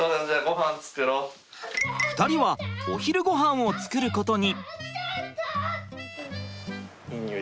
２人はお昼ごはんを作ることに。